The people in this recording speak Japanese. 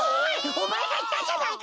おまえがいったんじゃないか！